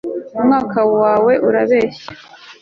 umwuka wawe urabeshya